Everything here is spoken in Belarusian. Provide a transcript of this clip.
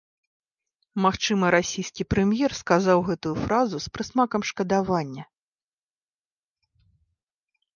Магчыма, расійскі прэм'ер сказаў гэтую фразу з прысмакам шкадавання.